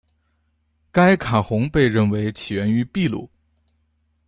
该卡洪被认为起源于秘鲁。